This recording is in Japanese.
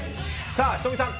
さあ、仁美さん。